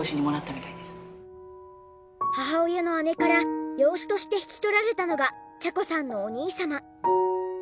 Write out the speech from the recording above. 母親の姉から養子として引き取られたのが茶子さんのお兄様。